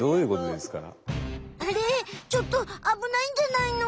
ちょっとあぶないんじゃないの？